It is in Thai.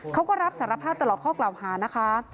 เขาก็รับสารภาพตลอดข้อกล่าวหานะคะ